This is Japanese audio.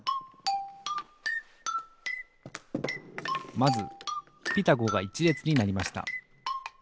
まず「ピタゴ」が１れつになりました